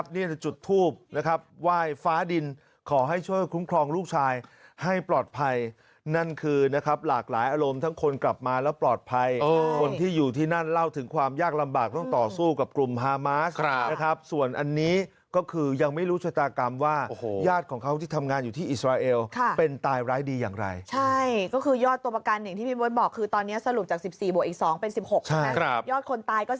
นี่จะจุดทูปนะครับว่ายฟ้าดินขอให้ช่วยคุ้มครองลูกชายให้ปลอดภัยนั่นคือนะครับหลากหลายอารมณ์ทั้งคนกลับมาแล้วปลอดภัยคนที่อยู่ที่นั่นเล่าถึงความยากลำบากต้องต่อสู้กับกลุ่มฮามาสนะครับส่วนอันนี้ก็คือยังไม่รู้ชัยตากรรมว่าญาติของเขาที่ทำงานอยู่ที่อิสราเอลเป็นตายร้ายดีอย่างไรใช่ก็คือยอดตั